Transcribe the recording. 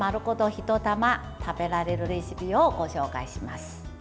１玉食べられるレシピをご紹介します。